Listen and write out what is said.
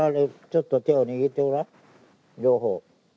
ちょっと手を握ってごらん両方。